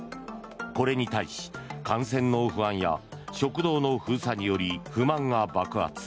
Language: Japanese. これに対し感染の不安や食堂の封鎖により不満が爆発。